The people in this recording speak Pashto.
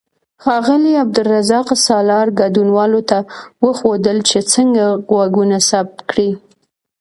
ښاغلي عبدالرزاق سالار ګډونوالو ته وښودل چې څنګه غږونه ثبت کړي.